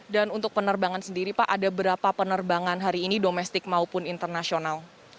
dan untuk penerbangan sendiri pak ada berapa penerbangan hari ini domestik maupun internasional